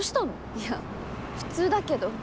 いや普通だけど？